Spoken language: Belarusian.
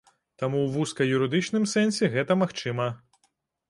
Таму ў вузка юрыдычным сэнсе гэта магчыма.